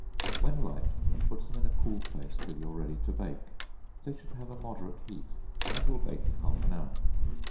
When light, put them in a cool place till you are ready to bake; they should have a moderate heat, and will bake in half an hour.